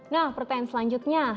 nah pertanyaan selanjutnya